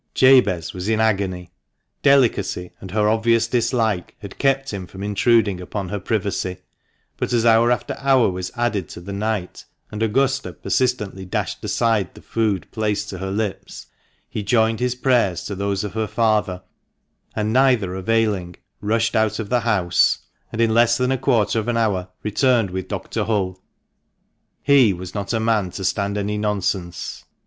Jabez was in agony. Delicacy and her obvious dislike had kept him from intruding upon her privacy, but as hour after hour was added to the night, and Augusta persistently dashed aside the food placed to her lips, he joined his prayers to those of her father, and neither availing, rushed out of the house, and in less than a quarter of an hour returned with Dr. Hull. He was not a man to stand any nonsense.